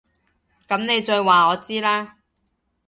噉你再話我知啦